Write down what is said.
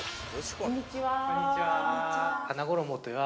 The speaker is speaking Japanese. こんにちは。